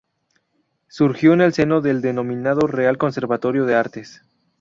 Surgió en el seno del denominado Real Conservatorio de Artes.